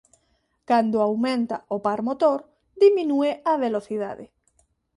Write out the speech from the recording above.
Cando aumenta o par motor diminúe a velocidade.